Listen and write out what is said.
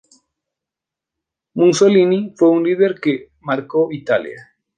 Mussolini fue un líder que marcó Italia.